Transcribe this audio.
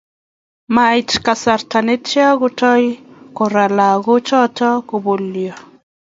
Moib kasarta netia kotoi Kora lagochoto kobolyo